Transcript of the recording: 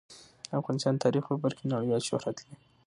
افغانستان د تاریخ په برخه کې نړیوال شهرت لري.